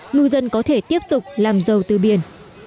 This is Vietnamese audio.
ngư dân có thể tiếp tục làm giàu từ biển